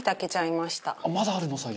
「まだあるの？作業」